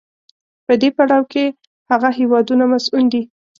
په دې پړاو کې هغه هېوادونه مصون دي.